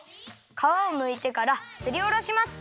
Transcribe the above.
かわをむいてからすりおろします。